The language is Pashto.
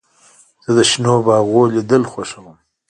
زه د شنو باغونو لیدل خوښوم.